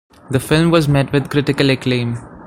The film was met with critical acclaim.